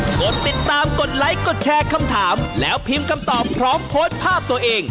กดติดตามกดไลค์กดแชร์คำถามแล้วพิมพ์คำตอบพร้อมโพสต์ภาพตัวเอง